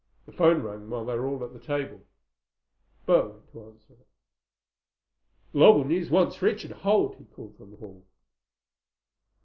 The phone rang while they were all at the table. Bert went to answer it. "Global News wants Richard Holt," he called from the hall.